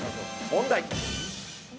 問題。